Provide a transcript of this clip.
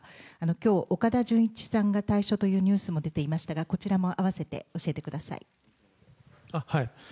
きょう、岡田准一さんが退所というニュースも出ていましたが、こちらも併せて教えてください。